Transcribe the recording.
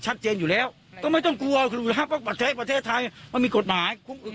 ชัดเจนอยู่แล้วต้องไม่ต้องกลัวเลยหรือว่าประเทศไทยมันมีกฏหมาย